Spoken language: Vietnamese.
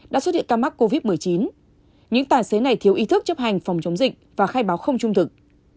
đã xuất hiện ca mắc covid một mươi chín những tài xế này thiếu ý thức chấp hành phòng chống dịch và khai báo không trung thực